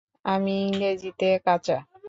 আমি ইংরেজিতে কাঁচা।